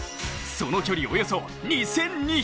その距離およそ２２００ｋｍ。